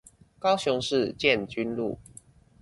高雄市建軍路